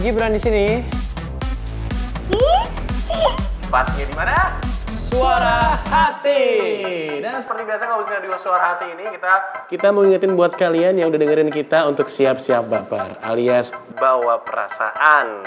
pesan kita untuk siap siap bapar alias bawa perasaan